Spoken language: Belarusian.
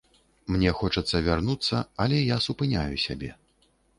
Мне хочацца вярнуцца, але я супыняю сябе.